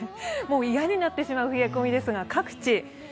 嫌になってしまう冷え込みですが、各地、